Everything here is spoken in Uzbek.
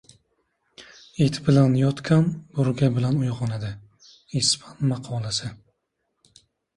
It bilan yotgan burga bilan uyg‘onadi. Ispan maqoli